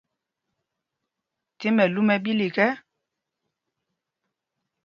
Ti mɛlu mɛ ɓílik ɛ.